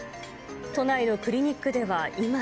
都内のクリニックでは今。